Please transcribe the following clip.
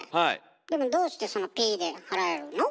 でもどうしてそのピッで払えるの？